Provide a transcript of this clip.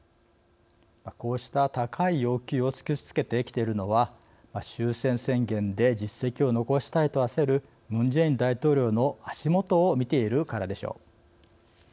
こうした高い要求を突きつけてきているのは終戦宣言で実績を残したいと焦るムン・ジェイン大統領の足元を見ているからでしょう。